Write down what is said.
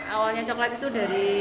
awalnya coklat itu dari